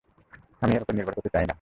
আমি এর উপর নির্ভর করতে চাই না।